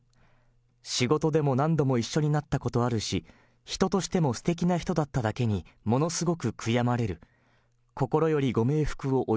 仕事でも何度も一緒になったことあるし、人としてもすてきな人だっただけに、ものすごく悔やまれる。